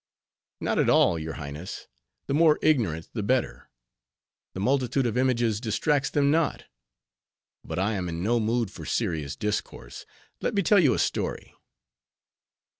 "Not at all, your highness. The more ignorant the better. The multitude of images distracts them not. But I am in no mood for serious discourse; let me tell you a story."